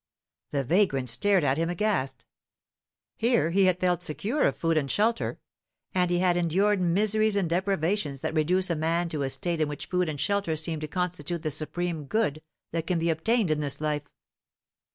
The vagrant stared at him aghast. Here he had felt secure of food and shelter; and he had endured miseries and deprivations that reduce a man to a state in which food and shelter seem to constitute the supreme good that can be obtained in this life.